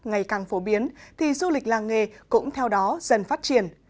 ngày càng phổ biến thì du lịch làng nghề cũng theo đó dần phát triển